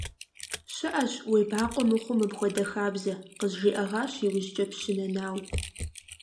– ЩыӀэщ уебакъуэ мыхъуу мыпхуэдэ хабзэ, – къызжиӀэгъащ иужькӀэ Пщы Нэнау.